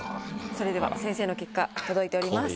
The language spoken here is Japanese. それでは先生の結果届いております。